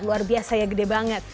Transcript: luar biasa ya gede banget